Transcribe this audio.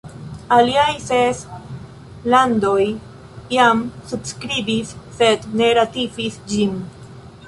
Aliaj ses landoj jam subskribis sed ne ratifis ĝin.